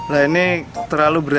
nah ini terlalu berat